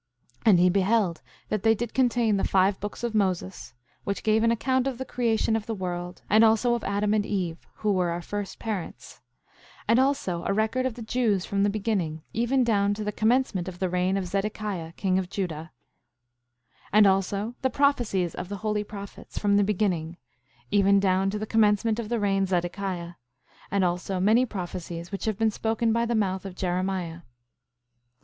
5:11 And he beheld that they did contain the five books of Moses, which gave an account of the creation of the world, and also of Adam and Eve, who were our first parents; 5:12 And also a record of the Jews from the beginning, even down to the commencement of the reign of Zedekiah, king of Judah; 5:13 And also the prophecies of the holy prophets, from the beginning, even down to the commencement of the reign of Zedekiah; and also many prophecies which have been spoken by the mouth of Jeremiah.